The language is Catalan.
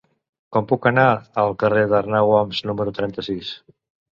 Com puc anar al carrer d'Arnau d'Oms número trenta-sis?